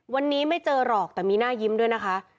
วันนี้ไม่เจอหรอกแต่มีหน้ายิ้มด้วยนะคะ